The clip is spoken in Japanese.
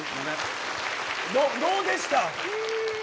どうでした。